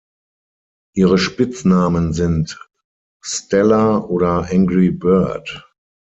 Ihre Spitznamen sind «Stella» oder «Angry Bird».